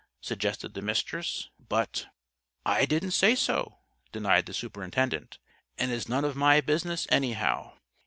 suggested the Mistress. "But " "I didn't say so," denied the superintendent. "And it's none of my business, anyhow.